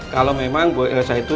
kalau memang bu el salah itu